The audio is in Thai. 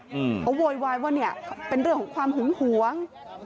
เขาโวยวายว่าเนี่ยเป็นเรื่องของความหึงหวง